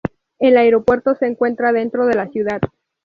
El aeropuerto se encuentra dentro de la ciudad.